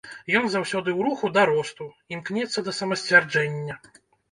Ён заўсёды ў руху да росту, імкнецца да самасцвярджэння.